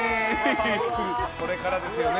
これからですよね。